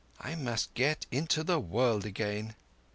I must get into the world again."